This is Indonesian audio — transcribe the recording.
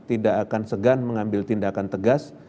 tidak akan segan mengambil tindakan tegas